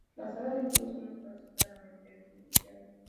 La sala de juego es un espacio claramente diferenciado.